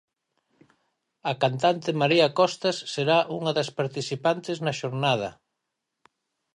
A cantante María Costas será unha das participantes na xornada.